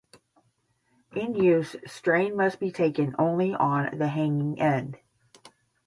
In use, strain must be taken only on the hanging end.